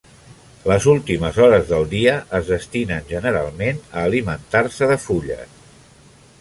Les últimes hores del dia es destinen generalment a alimentar-se de fulles.